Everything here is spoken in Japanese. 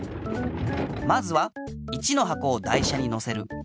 まずは１のはこを台車にのせる。